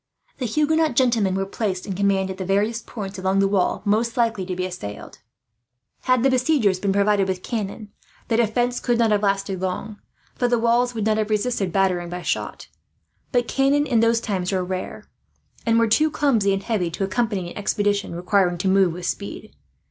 The Huguenot gentlemen were placed in command, at the various points along the wall most likely to be assailed. Had the besiegers been provided with cannon, the defence could not have lasted long, for the walls would not have resisted battering by shot; but cannon, in those times, were rare, and were too clumsy and heavy to accompany an expedition requiring to move with speed.